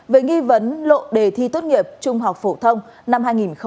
về nghi vấn lộ đề thi tốt nghiệp trung học phổ thông năm hai nghìn hai mươi